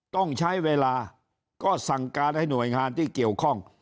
ต้องใช้เวลาก็สั่งการให้หน่วยงานที่เกี่ยวข้อง